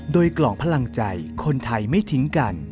โดยกล่องพลังใจคนไทยไม่ทิ้งกัน